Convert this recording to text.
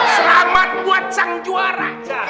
selamat buat sang juara